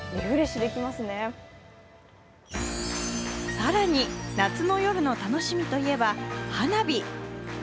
更に、夏の夜の楽しみといえば、花火。